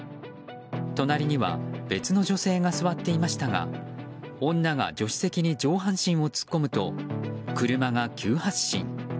隣には別の女性が座っていましたが女が助手席に上半身を突っ込むと車が急発進。